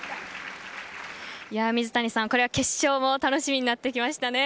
水谷さん、これは決勝も楽しみになってきましたね。